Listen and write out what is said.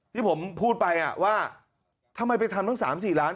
ที่ผมพูดไปว่าทำไมไปทำทั้ง๓๔ล้าน